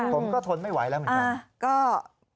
ผมก็ทนไม่ไหวแล้วเหมือนกัน